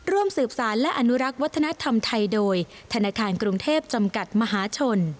ร่วมสืบสารและอนุรักษ์วัฒนธรรมไทยโดยธนาคารกรุงเทพจำกัดมหาชน